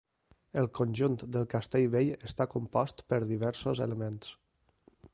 El conjunt del Castellvell està compost per diversos elements.